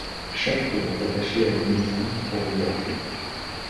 Chaque tour est attachée à une maison pour les gardiens.